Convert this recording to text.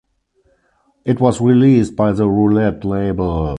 It was released by the Roulette label.